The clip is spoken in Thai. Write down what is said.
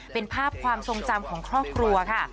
เป็นภาพความทรงจำของครอบครัวค่ะ